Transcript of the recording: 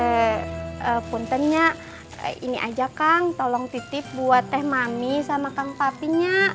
kayak puntennya ini aja kang tolong titip buat teh mami sama kang papinya